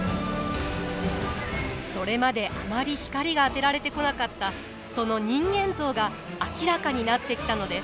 それまであまり光が当てられてこなかったその人間像が明らかになってきたのです。